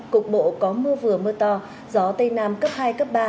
cục bộ có mưa vừa mưa to gió tây nam cấp hai cấp ba